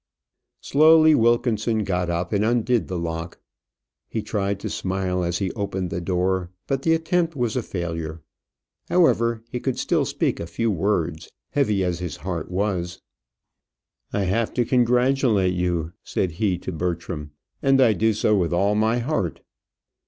Slowly Wilkinson got up and undid the lock. He tried to smile as he opened the door; but the attempt was a failure. However, he could still speak a few words, heavy as his heart was. "I have to congratulate you," said he to Bertram, "and I do it with all my heart."